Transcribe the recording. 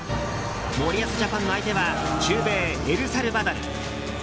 森保ジャパンの相手は中米、エルサルバドル。